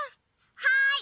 はい！